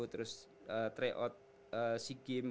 terus tryout si game